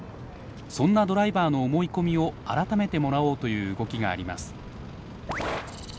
そんなドライバーの思い込みを改めてもらおうという動きがあります。